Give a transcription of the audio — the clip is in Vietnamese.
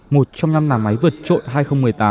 một trong năm nhà máy vượt trội hai nghìn một mươi tám